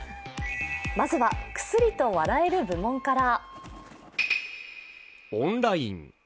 まずは、クスリと笑える部門から。